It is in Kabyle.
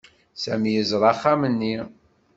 Sami yeẓra axxam-nni.